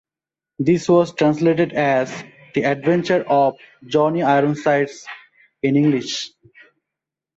This was translated as "The Adventures of Johnny Ironsides" in English.